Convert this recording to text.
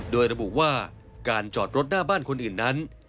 โดยระบุว่าการจอดรถหน้าบ้านคนอื่นนั้น